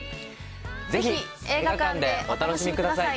ぜひ映画館でお楽しみください。